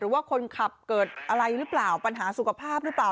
ว่าคนขับเกิดอะไรหรือเปล่าปัญหาสุขภาพหรือเปล่า